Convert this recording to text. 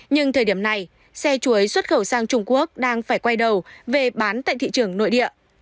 nhưng thời điểm này xe chuối xuất khẩu sang trung quốc đang phải quay đầu về bán tại thị trường nội địa